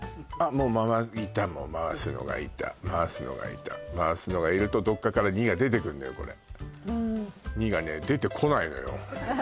もういたもう回すのがいた回すのがいた回すのがいるとどっかから２が出てくんのよこれ２がね出てこないのよ